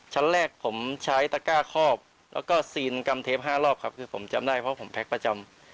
ชั้นแรกผมใช้ตะก้าคอบแล้วก็ซีนกำเทป๕รอบครับคือผมจำได้เพราะผมแพ็คประจำ